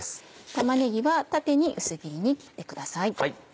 玉ねぎは縦に薄切りに切ってください。